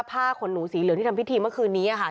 ผ้าขนหนูสีเหลืองที่ทำพิธีเมื่อคืนนี้ค่ะ